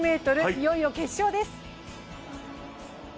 いよいよ決勝です。